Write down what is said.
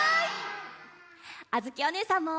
あづきおねえさんも。